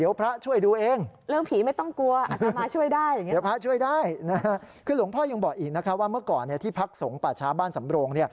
ที่พรรคสงศ์ป่าช้าบ้านสำรงค์